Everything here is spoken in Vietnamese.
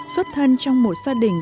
xuất thân trong một gia đình